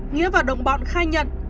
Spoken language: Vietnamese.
nghĩa và đồng bọn khai nhận